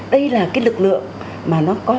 đây là cái lực lượng mà nó có